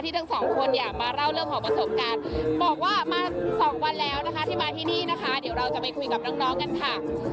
ทั้งสองคนเนี่ยมาเล่าเรื่องของประสบการณ์บอกว่ามาสองวันแล้วนะคะที่มาที่นี่นะคะเดี๋ยวเราจะไปคุยกับน้องกันค่ะ